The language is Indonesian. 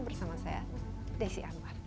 bersama saya desi anwar